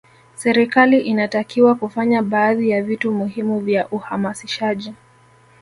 serikali inatakiwa kufanya baadhi ya vitu muhimu vya uhamasishaji